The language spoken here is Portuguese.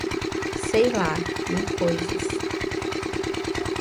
Sei lá, mil coisas!